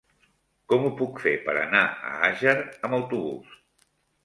Com ho puc fer per anar a Àger amb autobús?